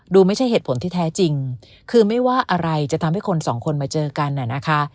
ไม่ใช่เหตุผลที่แท้จริงคือไม่ว่าอะไรจะทำให้คนสองคนมาเจอกันน่ะนะคะ